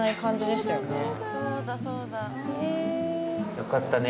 よかったね